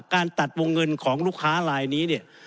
การตัดวงเงินของลูกค้าลายนี้เนี่ย